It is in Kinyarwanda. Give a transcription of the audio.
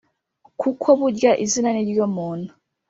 kuko burya izina ni ryo muntu.